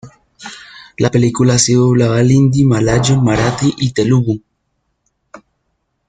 La película ha sido doblada al hindi, malayo, marathi y telugú.